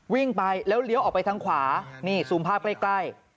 วิ่งไปแล้วเลี้ยวออกไปทางขวานี่ซูมภาพใกล้